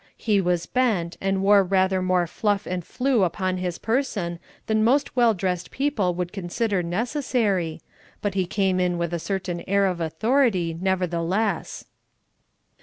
He was bent, and wore rather more fluff and flue upon his person than most well dressed people would consider necessary, but he came in with a certain air of authority, nevertheless.